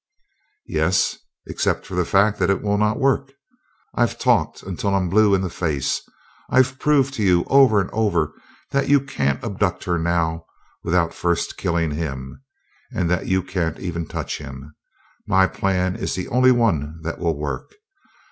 "Yes except for the fact that it will not work. I've talked until I'm blue in the face I've proved to you over and over that you can't abduct her now without first killing him, and that you can't even touch him. My plan is the only one that will work.